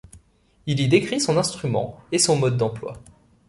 Il y décrit son instrument et son mode d'emploi.